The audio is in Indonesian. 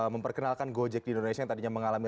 memperkenalkan gojek di indonesia yang tadinya mengalami